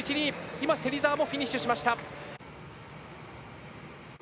今、芹澤もフィニッシュしました。